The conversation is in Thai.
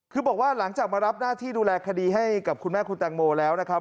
คือบอกว่าหลังจากมารับหน้าที่ดูแลคดีให้กับคุณแม่คุณแตงโมแล้วนะครับ